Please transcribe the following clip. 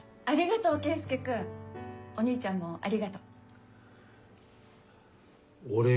ありがとう圭介君お兄ちゃんもありがとう。